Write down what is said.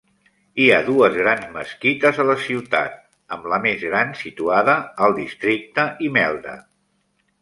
Hi ha dues grans mesquites a la ciutat, amb la més gran situada al districte Imelda.